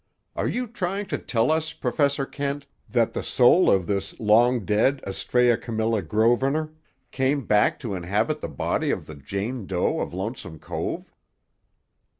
Are you trying to tell us, Professor Kent, that the soul of this long dead Astræa Camilla Grosvenor, came back to inhabit the body of the Jane Doe of Lonesome Cove?"